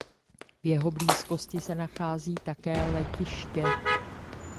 V jeho blízkosti se nachází také letiště.